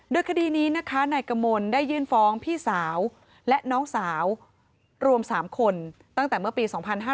ด้วยคดีนี้นายกรมนตรีได้ยื่นฟ้องพี่สาวและน้องสาวรวมสามคนตั้งแต่เมื่อปี๒๕๕๓